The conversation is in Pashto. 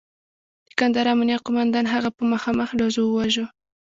د کندهار امنیه قوماندان هغه په مخامخ ډزو وواژه.